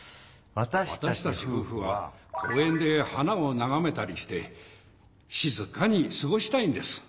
わたしたちふうふは公園で花をながめたりして静かに過ごしたいんです。